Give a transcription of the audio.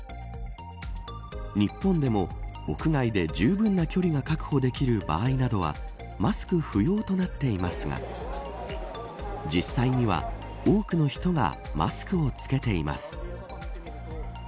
日本でも屋外で、じゅうぶんな距離が確保できる場合などはマスク不要となっていますが実際には、多くの人がマスクを着けています。